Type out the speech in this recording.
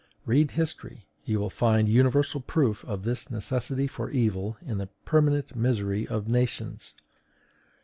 Read history, you will find universal proof of this necessity for evil in the permanent misery of nations.